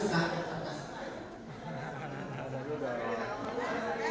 terima kasih pak